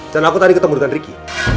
dan aku tadi ketemu dengan ricky